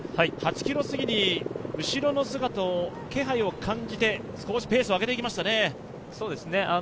８ｋｍ過ぎに後ろの気配を感じて少しペースを上げていきましたね。